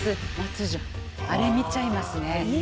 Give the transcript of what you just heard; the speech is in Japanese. あれ見ちゃいますね。